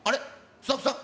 スタッフさん？